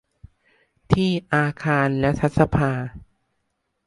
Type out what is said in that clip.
ที่อาคารรัฐสภา